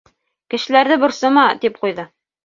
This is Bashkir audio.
— Кешеләрҙе борсома, — тип ҡуйҙы.